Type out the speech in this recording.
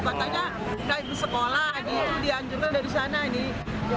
katanya sudah habis sekolah di anjung dari sana nih